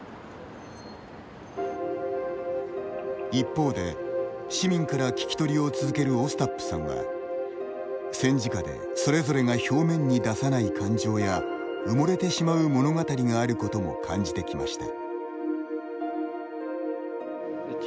一方で、市民から聞きとりを続けるオスタップさんは戦時下でそれぞれが表面に出さない感情や埋もれてしまう物語があることも感じてきました。